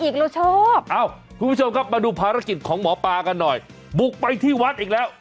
เราชอบเอ้าคุณผู้ชมครับมาดูภารกิจของหมอปลากันหน่อยบุกไปที่วัดอีกแล้ว